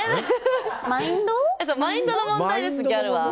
マインドの問題です、ギャルは。